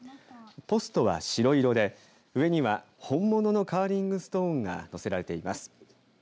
ポストは白色で上には本物のカーリングストーンがのせられています。